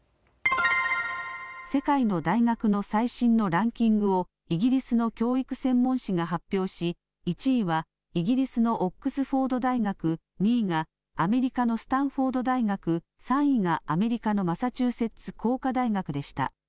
世界の大学の最新のランキングをイギリスの教育専門誌が発表し１位はイギリスのオックスフォード大学、２位がアメリカのスタンフォード大学、３位がアメリカのマサチューセッツ工科大学でした。